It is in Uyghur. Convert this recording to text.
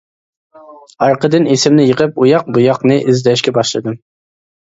ئارقىدىن ئىسىمنى يىغىپ ئۇياق-بۇياقنى ئىزدەشكە باشلىدىم.